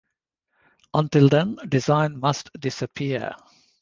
Until then, design must disappear.